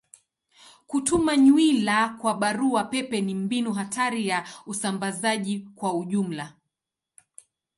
Kutuma nywila kwa barua pepe ni mbinu hatari ya usambazaji kwa ujumla.